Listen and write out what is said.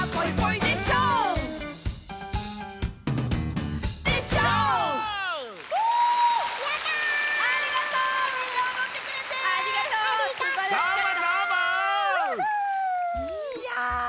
いや。